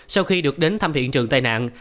sau khi được đến thăm hiện trường tai nạn